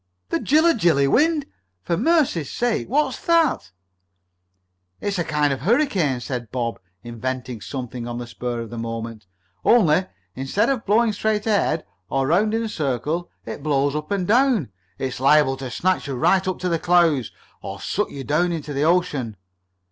"The Jilla Jilly wind? For mercy sakes, what's that?" "It's a kind of a hurricane," said Bob, inventing something on the spur of the moment. "Only, instead of blowing straight ahead or around in a circle it blows up and down. It's liable to snatch you right up to the clouds, or suck you down into the ocean!"